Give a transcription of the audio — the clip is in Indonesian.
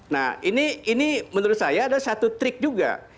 nah ini menurut saya ada satu trik juga